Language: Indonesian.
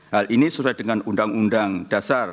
hal ini sesuai dengan undang undang dasar